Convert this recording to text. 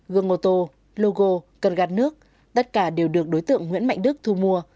gương ô tô logo cơn gạt nước tất cả đều được đối tượng nguyễn mạnh đức thu mua